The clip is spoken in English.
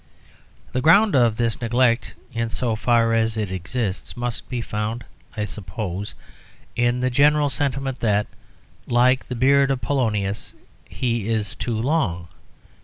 The ground of this neglect, in so far as it exists, must be found, I suppose, in the general sentiment that, like the beard of Polonius, he is too long.